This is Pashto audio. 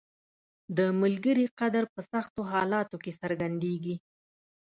• د ملګري قدر په سختو حالاتو کې څرګندیږي.